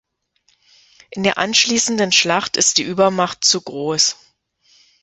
In der anschließenden Schlacht ist die Übermacht zu groß.